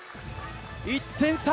１点差。